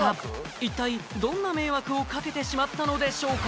一体どんな迷惑をかけてしまったのでしょうか？